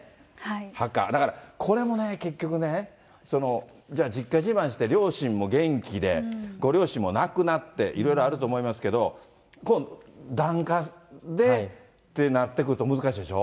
墓、だからこれも結局ね、じゃあ、実家じまいして、両親も元気で、ご両親も亡くなって、いろいろあると思いますけど、檀家でってなってくると、難しいでしょ。